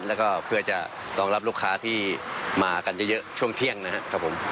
แล้วก็เพื่อจะรองรับลูกค้าที่มากันเยอะช่วงเที่ยงนะครับผม